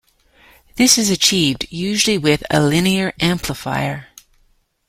This is achieved, usually, with a linear amplifier.